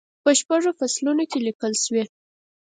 په شپږو فصلونو کې لیکل شوې.